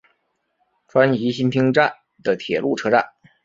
川崎新町站的铁路车站。